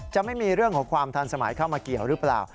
จะไม่มีเรื่องของความทันสมัยเข้ามาเกี่ยวหรือเปล่า